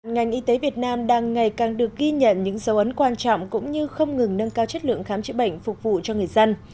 ngành y tế việt nam đang ngày càng được ghi nhận những dấu ấn quan trọng cũng như không ngừng nâng cao chất lượng khám chữa bệnh phục vụ cho người dân